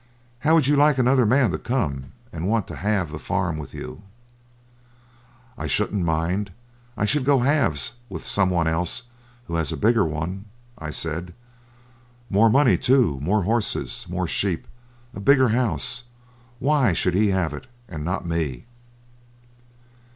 'How would you like another man to come and want to halve the farm with you?' 'I shouldn't mind; I should go halves with some one else who had a bigger one,' I said. 'More money too, more horses, more sheep, a bigger house! Why should he have it and not me?'